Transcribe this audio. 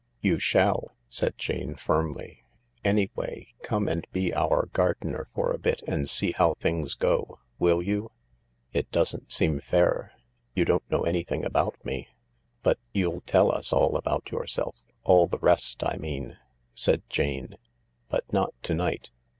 "You shall," said Jane firmly. "Anyway, come and be our gardener for a bit and see how things go. WiJJ you ?" 188 THE LARK " It doesn't seem fair— you don't know anything about me." " But you'll tell usallabout yourself— all the rest, I mean," said Jane j " but not to night.